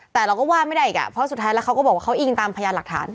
แต่เราก็ว่าไม่ได้อีกอ่ะเพราะสุดท้ายแล้วเขาก็บอกว่าเขาอิงตามพยานหลักฐาน